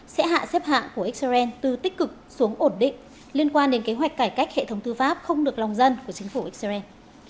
sẽ hạ xếp hạng của israel từ tích cực xuống ổn định liên quan đến kế hoạch cải cách hệ thống tư pháp không được lòng dân của chính phủ israel